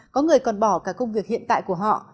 có người còn bỏ cả công việc hiện tại của họ